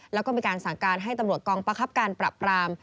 แล้วก็มีการสั่งการให้ตำรวจกองประคับการปรับปราม